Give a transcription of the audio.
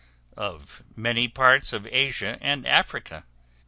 Of many parts of Asia and Africa.